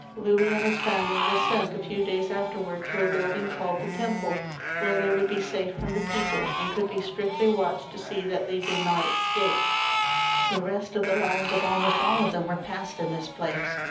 Louis and his family were sent a few days after wards to a building called the Temple, where they would be safe from the people, and could be strictly watched to see that they did not escape. The rest of the lives of almost all of them were passed in this place.